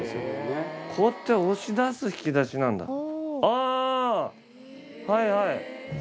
あはいはい。